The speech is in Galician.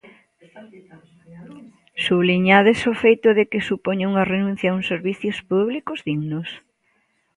Subliñades o feito de que supoña unha renuncia a uns servizos públicos dignos.